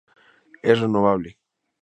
Es "renovable.